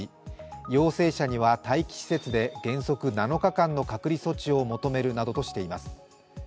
陽性者には待機施設で減速７日間の隔離措置を求めるなどとしています。